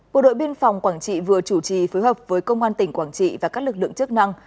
bộ đội biên phòng quảng trị vừa chủ trì phối hợp với công an tp hcm và các lực lượng chức năng